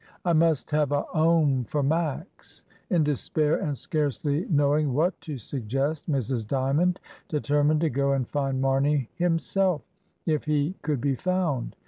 I must have a 'ome for Max." In despair , and scarcely knowing what to suggest, Mrs. Dymond de termined to go and find Mamey himself, if he could be found.